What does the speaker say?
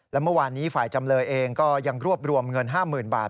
และเมื่อวานนี้ฝ่ายจำเลยเองก็ยังรวบรวมเงิน๕๐๐๐บาท